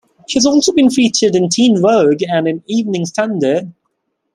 She has also been featured in "Teen Vogue" and in "Evening Standard".